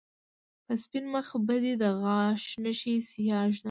په سپين مخ به دې د غاښ نښې سياه ږدم